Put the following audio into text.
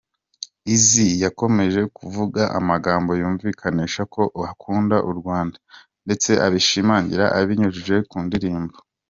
Eazi yakomeje kuvuga amagambo yumvikanisha ko akunda u Rwanda ndetse abishimangira abinyujije mu ndirimbo.